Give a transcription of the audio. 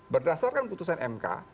berdasarkan putusan mk